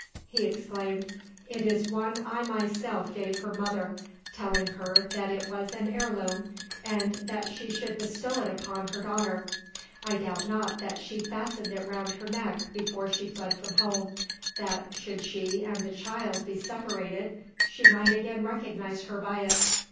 he exclaimed; "it is one I myself gave her mother, telling her that it was an heirloom, and that she should bestow it upon her daughter. I doubt not that she fastened it round her neck before she fled from home, that should she and the child be separated, she might again recognise her by it.